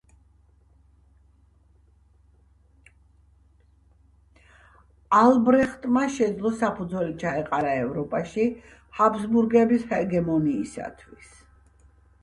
ალბრეხტმა შეძლო საფუძველი ჩაეყარა ევროპაში ჰაბსბურგების ჰეგემონიისათვის.